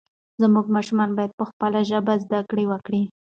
زموږ ماشومان باید په خپله ژبه زده کړه وکړي.